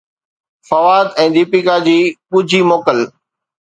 فواد ۽ ديپيڪا جي ڳجهي موڪل